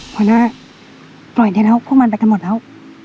พ่อหน้าปล่อยเถียงแล้วพวกมันไปกันหมดแล้ว